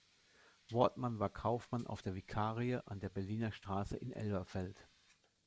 Wortmann war Kaufmann auf der Vikarie an der Berliner Straße in Elberfeld.